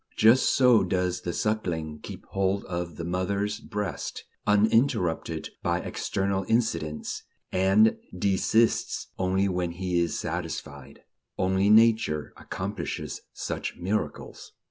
Just so does the suckling keep hold of the mother's breast, uninterrupted by external incidents, and desists only when he is satisfied. Only Nature accomplishes such miracles.